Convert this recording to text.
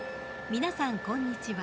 皆さん、こんにちは。